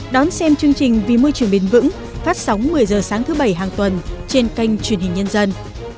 đón xem chương trình vì môi trường bền vững phát sóng một mươi h sáng thứ bảy hàng tuần trên kênh truyền hình nhân dân